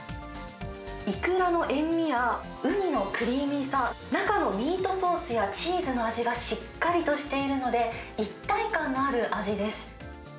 イクラの塩味やウニのクリーミーさ、中のミートソースやチーズの味がしっかりとしているので、一体感のある味です。